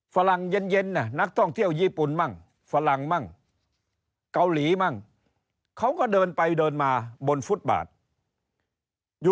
ฝรั่งเย็นนักท่องเที่ยวญี่ปุ่นมั่งฝรั่งมั่งเกาหลีมั่งเขาก็เดินไปเดินมาบนฟุตบาทอยู่